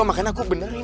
makanya aku benerin